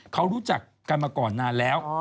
เขารู้จักกันมาก่อนนานแล้ว